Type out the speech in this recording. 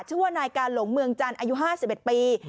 ชื่อว่านายกาหลงเมืองจันทร์อายุห้าสิบเอ็ดปี